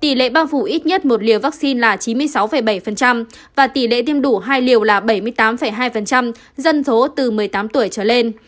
tỷ lệ bao phủ ít nhất một liều vaccine là chín mươi sáu bảy và tỷ lệ tiêm đủ hai liều là bảy mươi tám hai dân số từ một mươi tám tuổi trở lên